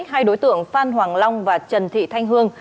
hai đối tượng phan hoàng long và trần thị thanh hương